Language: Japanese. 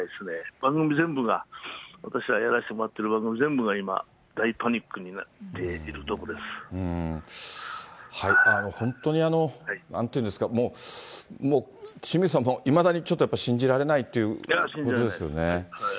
番組全部が、私がやらせてもらってる番組全部が今、大パニックになっていると本当に、なんというんですか、もう、もう、清水さんもいまだにちょっとやっぱり信じられないということです信じられない。